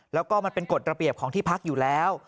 แล้วก็มันเป็นกฎระเบียบของที่พักอยู่แล้ว